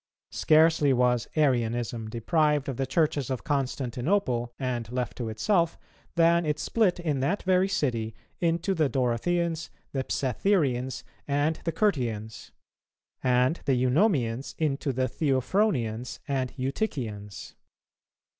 Scarcely was Arianism deprived of the churches of Constantinople, and left to itself, than it split in that very city into the Dorotheans, the Psathyrians, and the Curtians; and the Eunomians into the Theophronians and Eutychians.